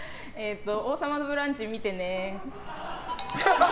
「王様のブランチ」見てね！